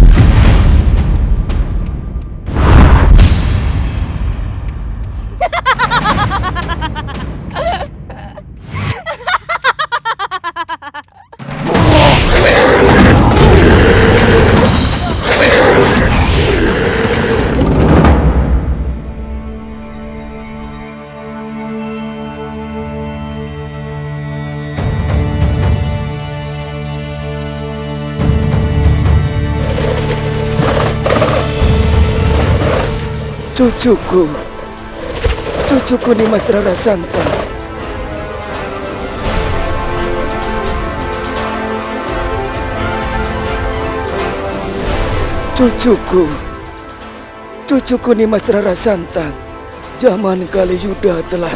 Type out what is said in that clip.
kau sampai calories dengan biasa